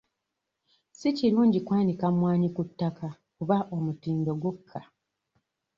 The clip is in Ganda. Si kirungi kwanika mwanyi ku ttaka kuba omutindo gukka.